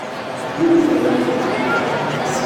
Dieu que t'as l'air bête !